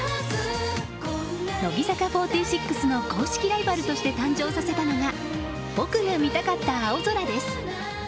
乃木坂４６の公式ライバルとして誕生させたのが僕が見たかった青空です。